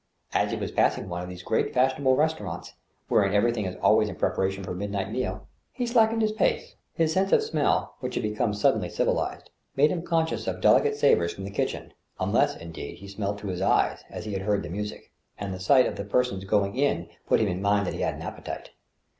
As he was passing one of those great fashionable restaurants, where everything is always in preparation for a midnight meal, he slackened his pace. His sense of smell, which had become suddenly civilized, made him conscious of delicate savors from the kitchen, unless, indeed, he smelled through his eyes, as he had heard the music, and the sight of the persons going in put him in mind that he had an appetite.